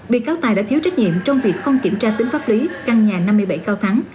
bị cáo tài đã thiếu trách nhiệm trong việc không kiểm tra tính pháp lý căn nhà năm mươi bảy cao thắng